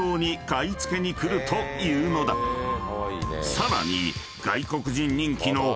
［さらに］